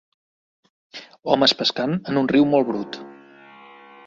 Homes pescant en un riu molt brut.